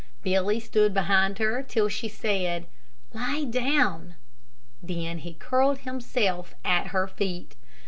Billy stood behind her till she said, "Lie down." Then he curled himself at her feet.